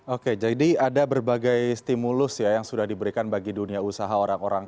oke jadi ada berbagai stimulus ya yang sudah diberikan bagi dunia usaha orang orang